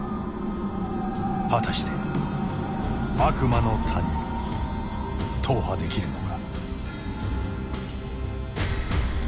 果たして悪魔の谷踏破できるのか？